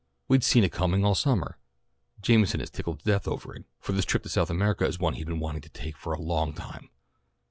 We'd seen it coming on all summer. Jameson is tickled to death over it, for this trip to South America is one he has been wanting him to take for a long time.